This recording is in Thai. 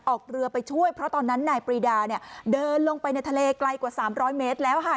ออกเรือไปช่วยเพราะตอนนั้นนายปรีดาเนี่ยเดินลงไปในทะเลไกลกว่า๓๐๐เมตรแล้วค่ะ